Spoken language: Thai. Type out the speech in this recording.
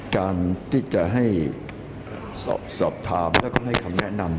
การที่จะให้สอบถามแล้วก็ให้คำแนะนำ